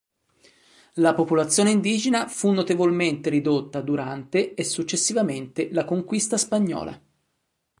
La popolazione indigena fu notevolmente ridotta durante e successivamente la conquista spagnola.